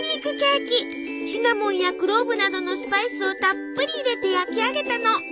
シナモンやクローブなどのスパイスをたっぷり入れて焼き上げたの。